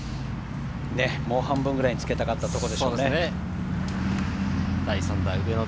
もう半分くらいにつけたかったところでしょうね。